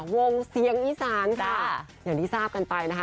วงเสียงอีสานจ้ะอย่างที่ทราบกันไปนะคะ